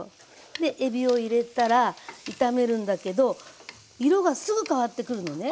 でえびを入れたら炒めるんだけど色がすぐ変わってくるのね。